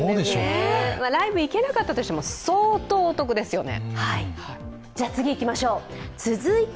ライブ行けなかったとしても相当お得ですよね。